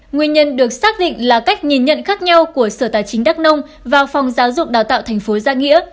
nguyên nhân được xác định là cách nhìn nhận khác nhau của sở tài chính đắc nông và phòng giáo dục đào tạo thành phố gia nghĩa